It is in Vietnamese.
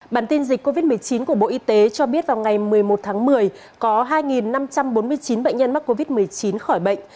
bản tin dịch covid một mươi chín của bộ y tế cho biết vào ngày một mươi một tháng một mươi có hai năm trăm bốn mươi chín bệnh nhân mắc covid một mươi chín khỏi bệnh